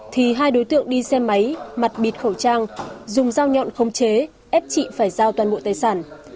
thì hai đối tượng đi xe máy mặt bịt khẩu trang dùng dao nhọn không chế ép chị phải giao toàn bộ tài sản